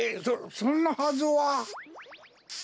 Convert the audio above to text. そそんなはずは。